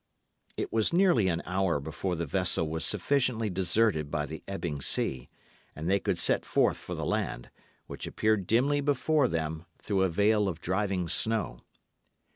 It was nearly an hour before the vessel was sufficiently deserted by the ebbing sea; and they could set forth for the land, which appeared dimly before them through a veil of driving snow.